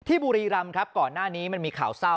บุรีรำครับก่อนหน้านี้มันมีข่าวเศร้า